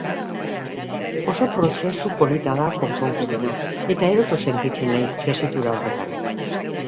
Oso prozesu polita da konponketena, eta eroso sentitzen naiz tesitura horretan.